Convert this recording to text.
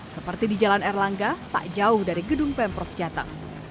seperti di jalan erlangga tak jauh dari gedung pemprov jateng